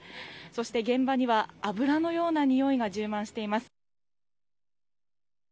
そして現場には油のようなにおいが充満しています。